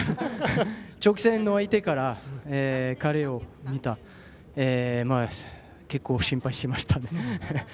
直線を抜いてから彼を見た結構、心配しましたね。